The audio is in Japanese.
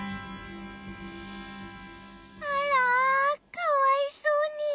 あらかわいそうに。